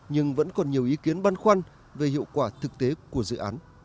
nhưng vẫn còn nhiều ý kiến băn khoăn về hiệu quả thực tế của dự án